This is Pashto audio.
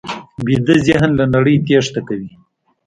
ویده ذهن له نړۍ تېښته کوي